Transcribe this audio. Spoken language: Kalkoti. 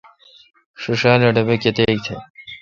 ݭیݭال اے°ا ڈبے°کتیک تہ۔